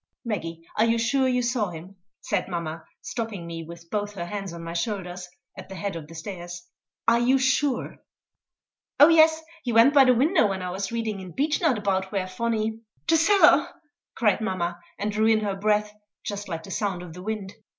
"Maggie, are you sure you saw him?" said mamma, stopping me, with both her hands on my shoulders, at the head of the stairs "are you sure?" "Oh yes; he went by the window when I was reading in Beechnut about where Phonny " "The cellar!" cried mamma, and drew in her breath just like the sound of the wind.